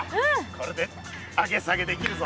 これで上げ下げできるぞ。